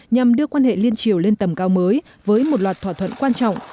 nhằm đưa quan hệ liên triều lên tầm cao mới với một loạt thỏa thuận quan trọng